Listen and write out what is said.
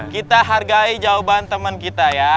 kita hargai jawaban teman kita ya